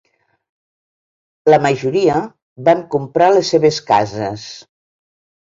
La majoria van comprar les seves cases.